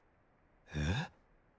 えっ。